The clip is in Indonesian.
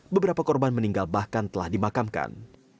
beberapa korban meninggal bahkan telah dimakamkan